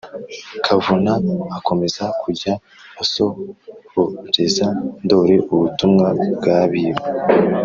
kavuna akomeza kujya asohoreza ndoli ubutumwa bw' abiru